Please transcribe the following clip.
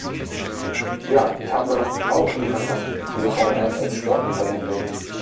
Ja, ich habe auch nie verstanden wieso Formel eins als Sport bezeichnet wird.